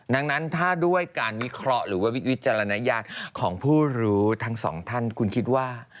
ดังนั้นถ้าด้วยการวิเคราะห์หรือว่าวิจารณญาณของผู้รู้ทั้งสองท่านคุณคิดว่า